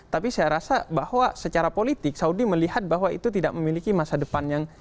tapi saya rasa bahwa secara politik saudi melihat bahwa itu tidak memiliki masa depan yang